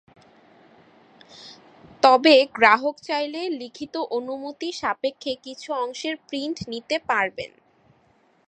তবে গ্রাহক চাইলে লিখিত অনুমতি সাপেক্ষে কিছু অংশের প্রিন্ট নিতে পারবেন।